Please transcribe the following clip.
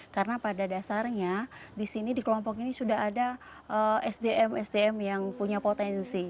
karena pada dasarnya di sini di kelompok ini sudah ada pendamping yang berpengalaman